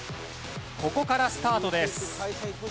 ここからスタートです。